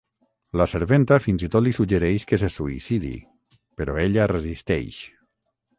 La serventa fins i tot li suggereix que se suïcidi, però ella resisteix.